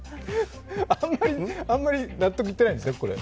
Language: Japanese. あんまり納得いってないんですか、これ。